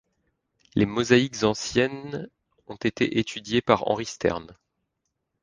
Les mosaïques anciennes ont été étudiées par Henri Stern.